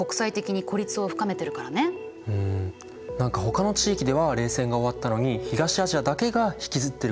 何かほかの地域では冷戦が終わったのに東アジアだけが引きずってる感じがするね。